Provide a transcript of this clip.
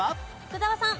福澤さん。